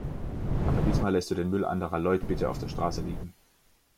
Aber diesmal lässt du den Müll anderer Leut bitte auf der Straße liegen.